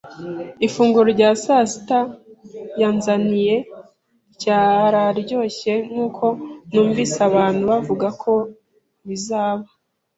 Ifunguro rya sasita yanzaniye ryararyoshye nkuko numvise abantu bavuga ko bizaba.